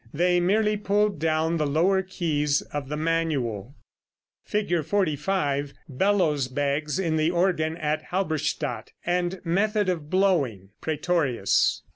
They merely pulled down the lower keys of the manual. [Illustration: Fig. 45. BELLOWS BAGS IN THE ORGAN AT HALBERSTADT, AND METHOD OF BLOWING. (Prætorius.)